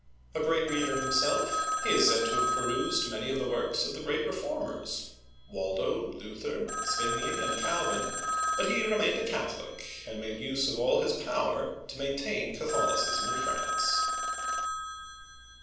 A great reader himself, he is said to have perused many of the works of the great reformers (Waldo, Luther, Zwingli, and Calvin), but he remained a Catholic, and made use of all his power to maintain Catholicism in France.